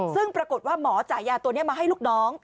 ซึ่งปรากฏว่าหมอจ่ายยาตัวนี้มาให้ลูกน้อง